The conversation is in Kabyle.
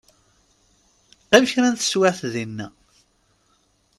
Qqim kra n tewiɛt dina.